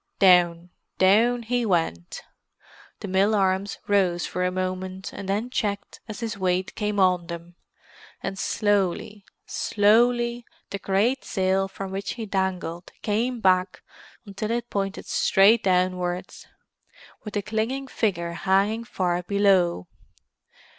Down—down he went. The mill arms rose for a moment, and then checked as his weight came on them—and slowly—slowly, the great sail from which he dangled came back until it pointed straight downwards, with the clinging figure hanging far below.